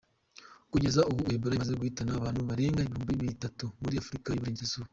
Kugeza ubu Ebola imaze guhitana abantu barenga ibihumbi bitatu muri Afurika y’Uburengerazuba.